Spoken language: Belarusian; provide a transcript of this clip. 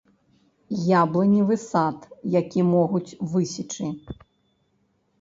Яблыневы сад, які могуць высечы.